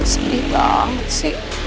sedih banget sih